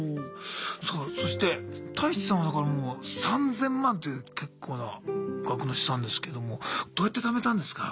さあそしてタイチさんはだからもう３０００万という結構な額の資産ですけどもどうやって貯めたんですか？